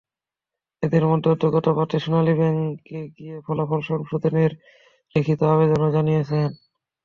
এঁদের মধ্যে অর্ধশত প্রার্থী সোনালী ব্যাংকে গিয়ে ফলাফল সংশোধনের লিখিত আবেদনও জানিয়েছেন।